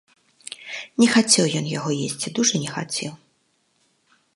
Не хацеў ён яго есці, дужа не хацеў.